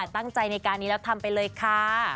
ตั้งใจในการนี้แล้วทำไปเลยค่ะ